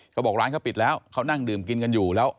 เขาบอกร้านเขาปิดแล้วเขานั่งดื่มกินกันอยู่แล้ว